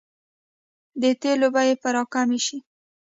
د تیلو بیې به راکمې شي؟